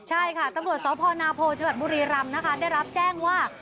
ใช่ค่ะตำรวจสพนาโพชาวบุรีรำได้รับแจ้งว่า